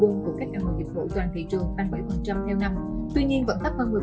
trường các căn hộ dịch vụ toàn thị trường tăng bảy theo năm tuy nhiên vẫn tấp hơn một mươi so với quý